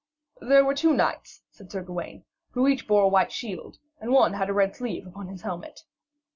'There were two knights,' said Sir Gawaine, 'who each bore a white shield, and one had a red sleeve upon his helmet.'